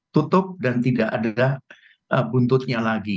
tutup dan tidak ada buntutnya lagi